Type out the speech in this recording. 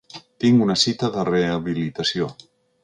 Tinc una cita de rehabilitació.